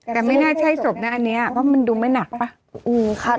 แต่ไม่น่าใช่ศพนะอันนี้เพราะมันดูไม่หนักป่ะ